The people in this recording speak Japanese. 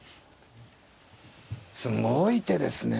すごい手ですね。